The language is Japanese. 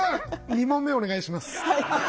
２問目お願いします。